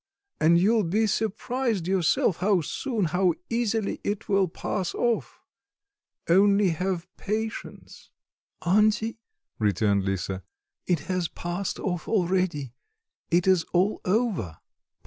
and you will be surprised yourself how soon, how easily it will pass off. Only have patience." "Auntie," returned Lisa, "it has passed off already, it is all over."